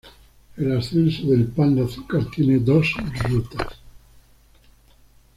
El ascenso del Pan de Azúcar tiene dos rutas.